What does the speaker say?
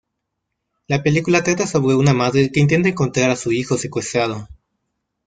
La película trata sobre una madre que intenta encontrar a su hijo secuestrado.